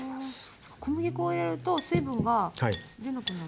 そっか小麦粉を入れると水分が出なくなる。